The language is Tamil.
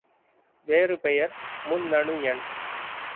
வேறு பெயர் முன்னணு எண்.